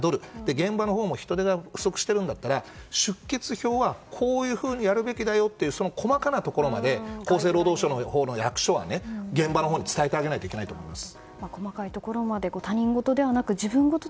現場のほうも人手が不足してるんだったら出欠表はこういうふうにやるべきだという細かなところで厚生労働省は現場に伝えないといけないと思います。